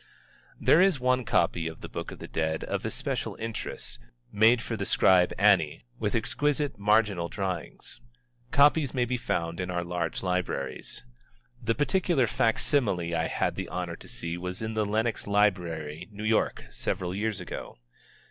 There is one copy of the Book of the Dead of especial interest, made for the Scribe Ani, with exquisite marginal drawings. Copies may be found in our large libraries. The particular fac simile I had the honor to see was in the Lenox Library, New York, several years ago.